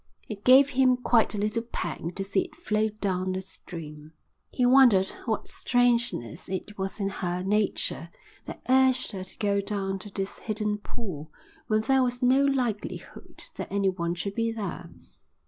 It gave him quite a little pang to see it float down the stream. He wondered what strangeness it was in her nature that urged her to go down to this hidden pool when there was no likelihood that anyone should be there.